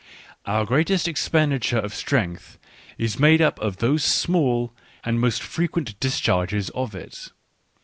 Our greatest expenditure of strength is made up of those small and most frequent discharges of it.